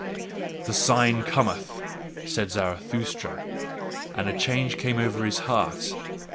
"THE SIGN COMETH," said Zarathustra, and a change came over his heart.